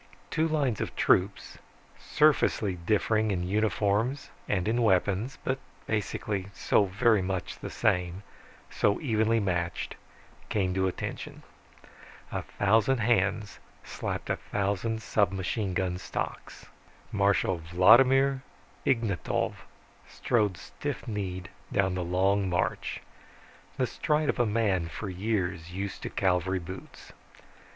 Two lines of troops, surfacely differing in uniforms and in weapons, but basically so very the same, so evenly matched, came to attention. A thousand hands slapped a thousand submachine gun stocks. Marshal Vladimir Ignatov strode stiff kneed down the long march, the stride of a man for years used to cavalry boots.